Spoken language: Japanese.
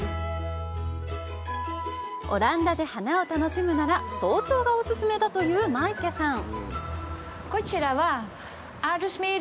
オランダで花を楽しむなら早朝がお勧めだというマイケさん。